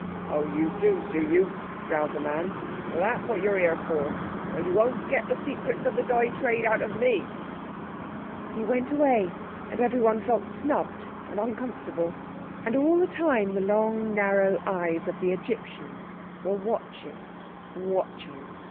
"Oh, you do, do you?" growled the man. "So that's what you're here for? Well, you won't get the secrets of the dye trade out of me." He went away, and everyone felt snubbed and uncomfortable. And all the time the long, narrow eyes of the Egyptian were watching, watching.